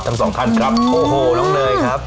ทั้งสองท่านครับโอ้โหน้องเนยครับ